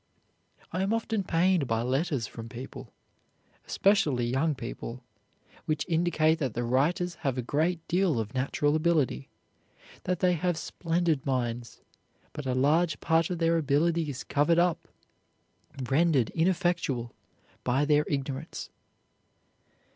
I am often pained by letters from people, especially young people, which indicate that the writers have a great deal of natural ability, that they have splendid minds, but a large part of their ability is covered up, rendered ineffectual by their ignorance.